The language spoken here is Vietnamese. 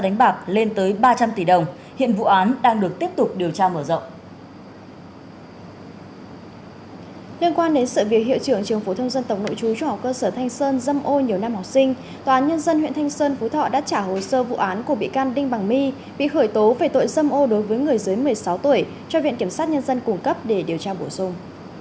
nguyên hiệu trưởng trường phố thông dân tổng nội trú trung học cơ sở thanh sơn dâm âu nhiều năm học sinh tòa án nhân dân huyện thanh sơn phú thọ đã trả hồ sơ vụ án của bị can đinh bằng my bị khởi tố về tội dâm âu đối với người dưới một mươi sáu tuổi cho viện kiểm sát nhân dân cung cấp để điều tra bổ sung